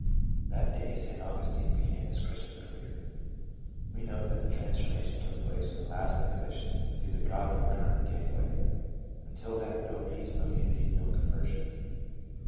That day St. Augustine began his Christian career. We note that the transformation took place when the last inhibi tion to the god ward current gave way. Until then no peace, no unity, no conversion.